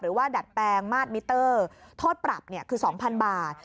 ดัดแปลงมาดมิเตอร์โทษปรับคือ๒๐๐๐บาท